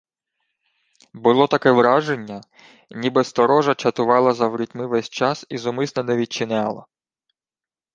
Було таке враження, ніби сторожа чатувала за ворітьми ввесь час і зумисне не відчиняла.